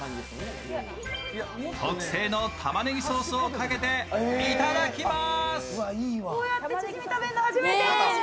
特製の玉ねぎソースをかけていただきます。